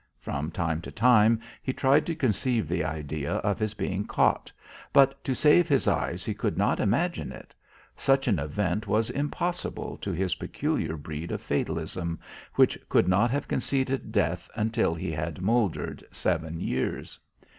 From time to time he tried to conceive the idea of his being caught, but to save his eyes he could not imagine it. Such an event was impossible to his peculiar breed of fatalism which could not have conceded death until he had mouldered seven years.